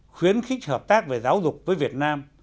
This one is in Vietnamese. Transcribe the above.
khuyến khích hợp tác về giáo dục với việt nam